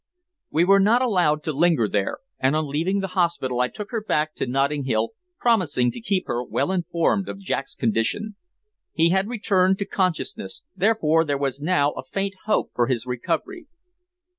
We were not allowed to linger there, and on leaving the hospital I took her back again to Notting Hill, promising to keep her well informed of Jack's condition. He had returned to consciousness, therefore there was now a faint hope for his recovery.